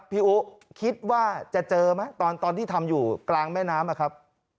พี่อุ๊คิดว่าจะเจอไหมตอนที่ทำอยู่กลางแม่น้ำอะครับ